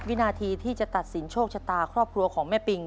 จากจังหวัดพัทธรุงจะสามารถพิชิตเงินล้านกลับไปบ้านได้หรือไม่นะครับ